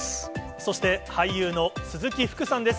そして俳優の鈴木福さんです。